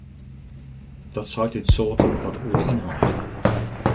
Dat seit út soarte wat oer de ynhâld.